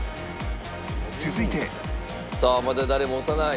続いてさあまだ誰も押さない。